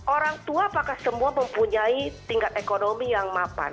orang tua apakah semua mempunyai tingkat ekonomi yang mapan